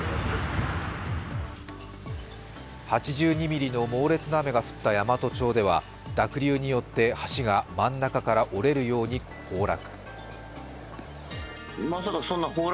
８２ミリの猛烈な雨が降った山都町では濁流によって橋が真ん中から折れるように崩落。